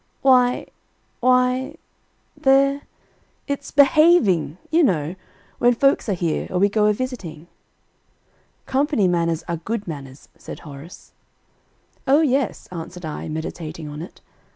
"Why why they're it's behaving, you know, when folks are here, or we go a visiting." "Company manners are good manners;" said Horace. "O yes," answered I, meditating on it.